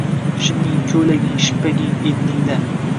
Shiming, koʻylaging, shippaging – egningda.